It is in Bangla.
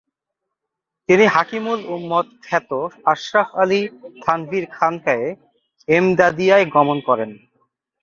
তিনি হাকিমুল উম্মত খ্যাত আশরাফ আলী থানভীর খানকায়ে এমদাদিয়ায় গমন করেন।